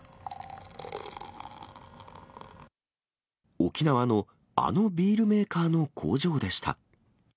沖縄のあのビールメーカーの工場でした。